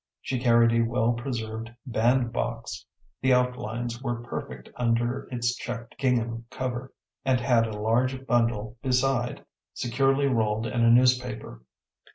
She carried a well preserved bandbox, the outlines were perfect under its checked gingham cover, and had a large bundle beside, securely rolled in a newspaper.